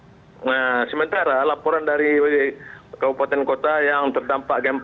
nah sementara laporan dari keupatan kota yang tertampak